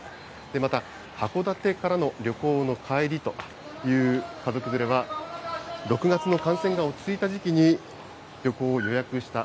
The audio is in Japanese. また、函館からの旅行の帰りという家族連れは、６月の感染が落ち着いた時期に旅行を予約した。